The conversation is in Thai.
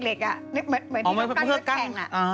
นึกเหมือนมันเป็นกั้นรถแข่งอะ